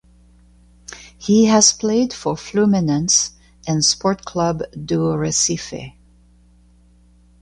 He has played for Fluminense and Sport Club do Recife.